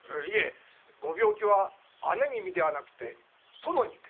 ご病気は姉君ではなく殿にて。